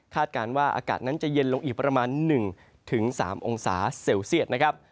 การว่าอากาศนั้นจะเย็นลงอีกประมาณ๑๓องศาเซลเซียตนะครับ